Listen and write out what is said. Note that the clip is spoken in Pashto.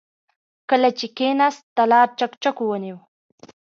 کله چې کېناست، تالار چکچکو ونيو.